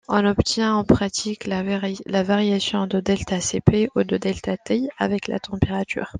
On obtient en pratique la variation de deltaCp ou de deltaT avec la température.